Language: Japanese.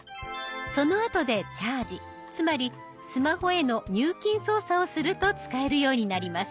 そのあとでチャージつまりスマホへの入金操作をすると使えるようになります。